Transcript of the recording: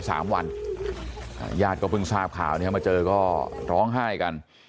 สามวันอ่าญาติก็เพิ่งทราบข่าวเนี่ยมาเจอก็ร้องไห้กัน